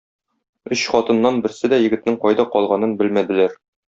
Өч хатыннан берсе дә егетнең кайда калганын белмәделәр.